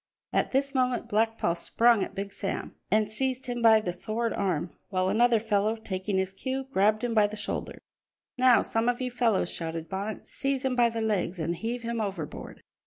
At this moment Black Paul sprung at Big Sam and seized him by the sword arm, while another fellow, taking his cue, grabbed him by the shoulder. "Now some of you fellows," shouted Bonnet, "seize him by the legs and heave him overboard!"